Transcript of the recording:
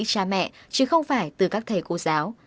cha mẹ chứ không phải từ các thầy cô giáo